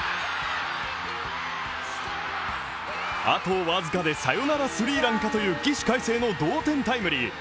あと僅かでサヨナラスリーランかという起死回生の同点タイムリー。